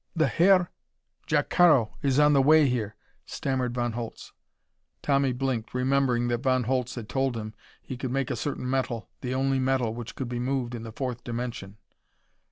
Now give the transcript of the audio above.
"The Herr Jacaro is on the way here," stammered Von Holtz. Tommy blinked, remembering that Von Holtz had told him he could make a certain metal, the only metal which could be moved in the fourth dimension.